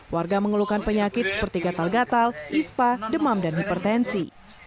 warga mengeluhkan penyakit seperti gatal gatal ispa demam dan hipertensi